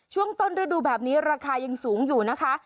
ช่วงต้นฤดูแบบนี้ราคายังสูงอยู่นะคะ